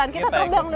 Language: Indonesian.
kita terbang dulu